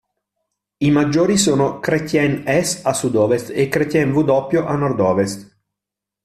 I maggiori sono Chrétien S a sud-ovest e Chrétien W a nord-ovest.